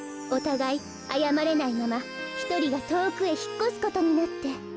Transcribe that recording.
おたがいあやまれないままひとりがとおくへひっこすことになって。